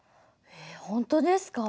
本当ですか？